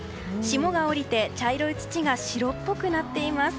霜が降りて、茶色い土が白っぽくなっています。